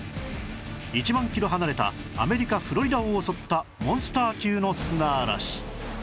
１万キロ離れたアメリカフロリダを襲ったモンスター級の砂嵐